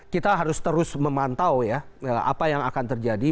kita harus terus memantau ya apa yang akan terjadi